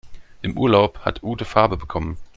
Im Urlaub hat Ute Farbe bekommen.